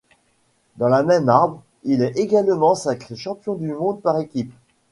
Dans la même arme, il est également sacré champion du monde par équipes.